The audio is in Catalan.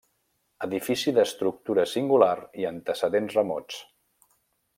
Edifici d'estructura singular i antecedents remots.